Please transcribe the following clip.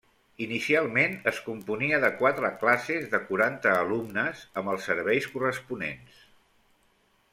Inicialment es componia de quatre classes de quaranta alumnes, amb els serveis corresponents.